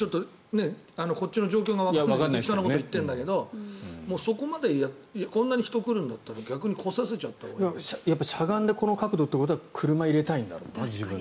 こっちの状況がわからないので適当なこと言ってるんだけどそこまでこんなに人が来るんだったらしゃがんでこの角度ということは自分の車を入れたいんだろうな。